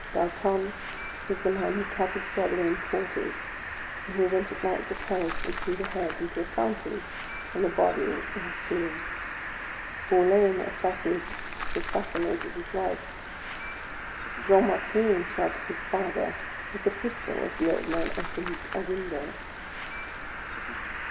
Dautan was the man who cut his brother in quarters, and who went at night to Paris and threw the head into a fountain, and the body into a sewer. Poulain assassinated his wife. Jean Martin shot his father with a pistol as the old man opened a window.